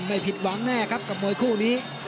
ไม่ผิดหวังแน่ครับกับมวยคู่นี้